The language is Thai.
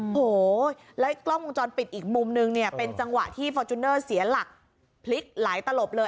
โอ้โหแล้วกล้องวงจรปิดอีกมุมนึงเนี่ยเป็นจังหวะที่ฟอร์จูเนอร์เสียหลักพลิกหลายตลบเลย